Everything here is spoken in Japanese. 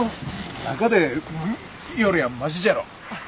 中でウエッよりはましじゃろ。